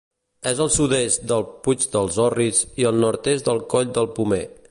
És al sud-est del Puig dels Orris i al nord-est del Coll del Pomer.